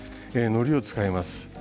のりを使います。